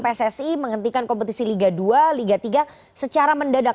pssi menghentikan kompetisi liga dua liga tiga secara mendadak